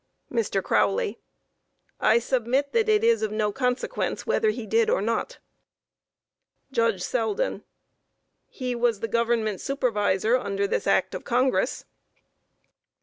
MR. CROWLEY: I submit that it is of no consequence whether he did or not. JUDGE SELDEN: He was the Government Supervisor under this act of Congress.